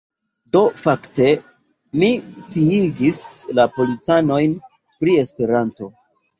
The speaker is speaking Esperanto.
Do, fakte, mi sciigis du policanojn pri Esperanto